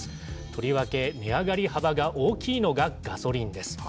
とりわけ値上がり幅が大きいのがガソリンです。